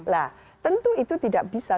nah tentu itu tidak bisa